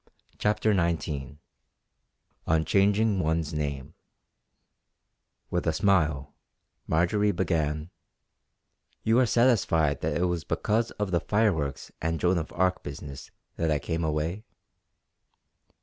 CHAPTER XIX ON CHANGING ONE'S NAME With a smile Marjory began: "You are satisfied that it was because of the fireworks and Joan of Arc business that I came away?"